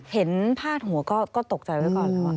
เห็นพาดหัวก็ตกใจไว้ก่อน